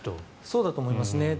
そうだと思いますね。